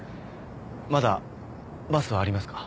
まだバスはありますか？